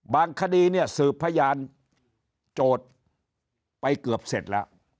คดีเนี่ยสืบพยานโจทย์ไปเกือบเสร็จแล้ว